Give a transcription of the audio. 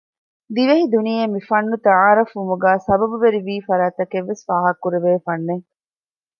ދިވެހި ދުނިޔެއަށް މިފަންނު ތަޢާރުފްވުމުގައި ސަބަބުވެރިވީ ފަރާތްތަކެއްވެސް ފާހަގަކުރެވޭ ފަންނެއް